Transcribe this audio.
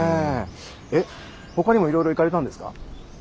えっほかにもいろいろ行かれたんですか？